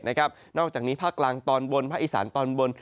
นอกจากนี้ภาคกลางตอนบนภาคอีสานตอนบน